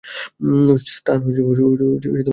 স্থান সংকীর্ণ হবে।